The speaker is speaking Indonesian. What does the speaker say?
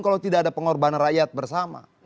kalau tidak ada pengorbanan rakyat bersama